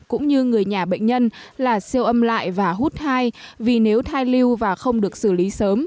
cũng như người nhà bệnh nhân là siêu âm lại và hút hai vì nếu thai lưu và không được xử lý sớm